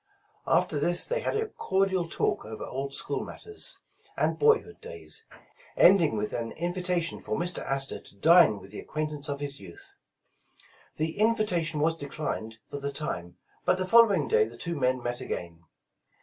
After this they had a cordial talk over old school matters, and boyhood days, ending with an invitation for Mr. Astor to dine with the acquaintance of his youth. The invitation was declined for the time, but the following day the two men met again.